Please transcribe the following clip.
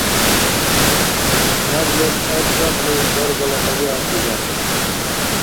Наб лебгӀеб цӀакьли даргала тӀабигӀят дигахъис